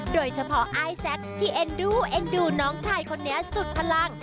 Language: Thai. โดยเฉพาะไอซักที่เอ็นดูน้องชายคนนี้สุดพลัง